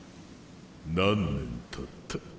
何年たった？